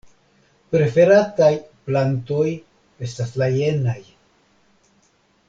Preferataj plantoj estas la jenaj.